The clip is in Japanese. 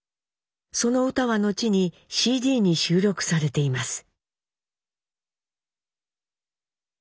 その歌は後にＣＤに収録されています。